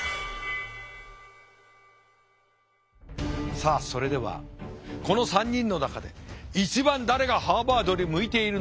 さあそれではこの３人の中で一番誰がハーバードに向いているのか。